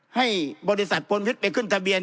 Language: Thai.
ให้บริษัทพลเพชรไปขึ้นทะเบียน